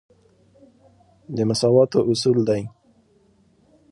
د مساواتو اصول دی.